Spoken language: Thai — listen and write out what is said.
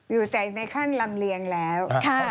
อยู่แต่ในขั้นลำเลียงแล้ว